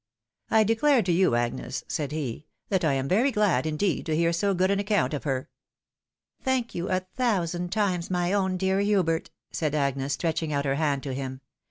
" I declare to you, Agnes," said he, " that I am very glad indeed to hear so good an account of her." " Thank you a thousand times, my own dear Hubert," said AN ABRUPT TERMINATION. 35 Agnes, stretching out her hand to him.